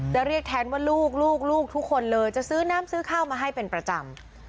เรียกแทนว่าลูกลูกทุกคนเลยจะซื้อน้ำซื้อข้าวมาให้เป็นประจำ